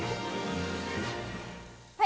はい。